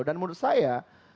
dan menurut saya